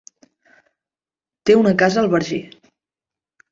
Té una casa al Verger.